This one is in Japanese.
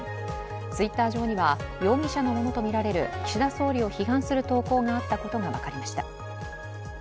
Ｔｗｉｔｔｅｒ上には容疑者のものとみられる岸田総理を批判する投稿があったことが分かりました。